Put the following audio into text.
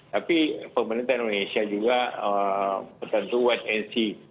tapi pemerintah indonesia juga tentu white anti